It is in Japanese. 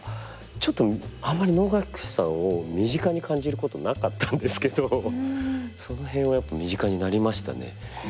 ちょっとあんまり能楽師さんを身近に感じることなかったんですけどその辺はやっぱり身近になりましたね。